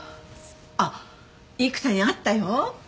あっ育田に会ったよ。